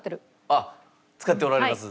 あっ使っておられます？